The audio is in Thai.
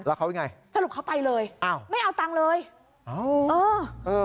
แล้วเขาอย่างไรสรุปเขาไปเลยไม่เอาตังค์เลยเออ